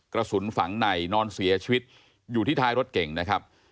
กระสุนฝังในนอนเสียชีวิตอยู่ที่ท้ายรถเก่งนะครับ